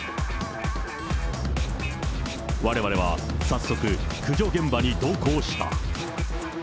われわれは早速、駆除現場に同行した。